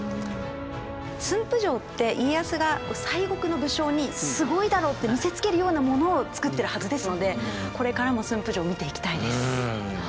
駿府城って家康が西国の武将にすごいだろって見せつけるようなものを造ってるはずですのでこれからも駿府城見ていきたいです。